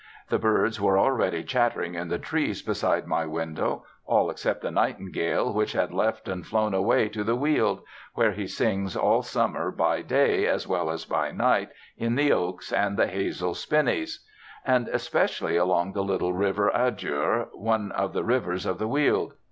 The birds were already chattering in the trees beside my window, all except the nightingale, which had left and flown away to the Weald, where he sings all summer by day as well as by night in the oaks and the hazel spinneys, and especially along the little river Adur, one of the rivers of the Weald.